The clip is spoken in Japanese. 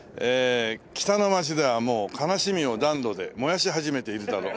「北の街ではもう悲しみを暖炉でもやしはじめているだろう」。